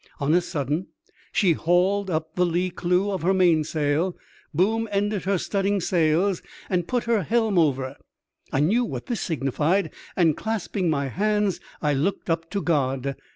On a sudden she hauled up the lee clew of her mainsail, boom ended her studding sails, and put her helm over. I knew what this signified, and, clasping my hands, I looked up to God.